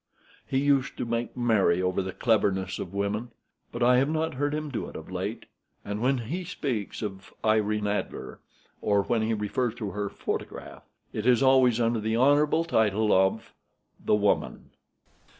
He used to make merry over the cleverness of women, but I have not heard him do it of late. And when he speaks of Irene Adler, or when he refers to her photograph, it is always under the honorable title of the woman.